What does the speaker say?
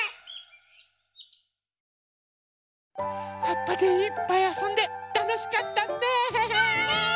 はっぱでいっぱいあそんでたのしかったね！ね！